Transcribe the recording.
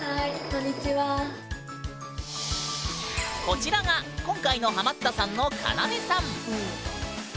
こちらが今回のハマったさんのカナメさん。